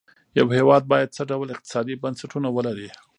یو هېواد باید څه ډول اقتصادي بنسټونه ولري.